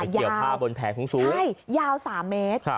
เกี่ยวผ้าบนแผงภูมิสูรรยาว๓เมตร